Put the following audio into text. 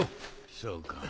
そうか。